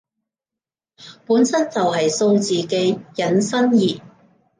本身就係數字嘅引申義